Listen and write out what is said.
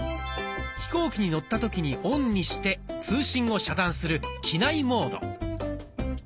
飛行機に乗った時にオンにして通信を遮断する「機内モード」。